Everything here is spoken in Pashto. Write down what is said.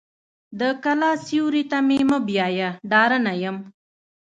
د کلا سیوري ته مې مه بیایه ډارنه یم.